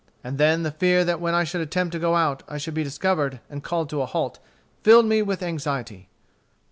And then the fear that when I should attempt to go out I should be discovered and called to a halt, filled me with anxiety."